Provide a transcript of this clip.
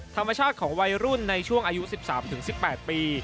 ธรรมชาติของวัยรุ่นในช่วงอายุ๑๓๑๘ปี